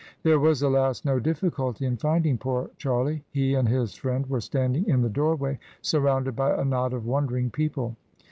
There was, alas! no difficulty in finding poor Charlie. He and his friend were standing in the doorway, surrounded by a knot of wondering people.